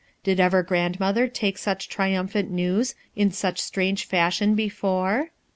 Did ever grandmother take such triumphant news in such strange fashion bo fore?